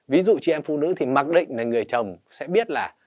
ví dụ chị em phụ nữ thì mặc định là người chồng sẽ biết là